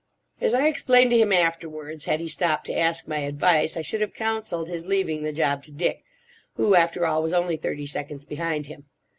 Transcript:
As I explained to him afterwards, had he stopped to ask my advice I should have counselled his leaving the job to Dick, who, after all, was only thirty seconds behind him.